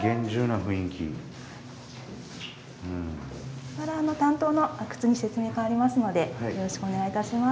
ここから担当の阿久津に説明かわりますのでよろしくお願いいたします。